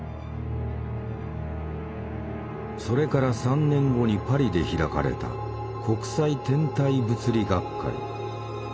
それから３年後にパリで開かれた国際天体物理学会。